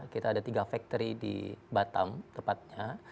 kita ada tiga factory di batam tepatnya